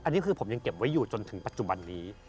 อันนี้คือผมยังเก็บไว้อยู่จนถึงปัจจุบันนี้